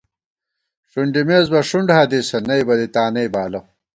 ݭُنڈِمېس بہ ݭُنڈحدیثہ، نئیبہ دی تانئ بالہ